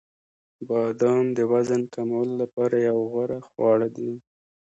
• بادام د وزن کمولو لپاره یو غوره خواړه دي.